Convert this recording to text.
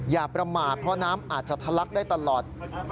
อย่าประมาทเพราะน้ำอาจจะทะลักได้ตลอด